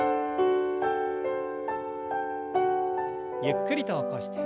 ゆっくりと起こして。